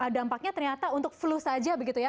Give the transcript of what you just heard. dampaknya ternyata untuk flu saja begitu ya